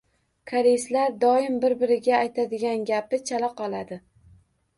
Koreyslar doim bir-biriga aytadigan gapi chala qoladi.